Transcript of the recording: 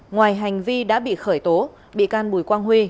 ngoài hành vi đã bị khởi tố bị can bùi quang huy